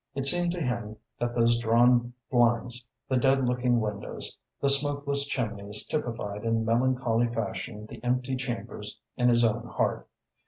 It seemed to him that those drawn blinds, the dead looking windows, the smokeless chimneys typified in melancholy fashion the empty chambers in his own heart.